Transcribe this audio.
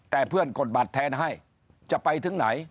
แต่เพื่อนกดบัตรแทนให้จะไปถึงไหน